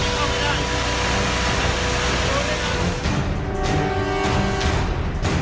สถานการณ์ข้อมูล